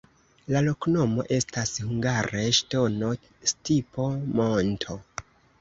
La loknomo estas hungare: ŝtono-stipo-monto.